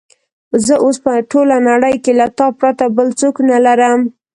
زه اوس په ټوله نړۍ کې له تا پرته بل څوک نه لرم.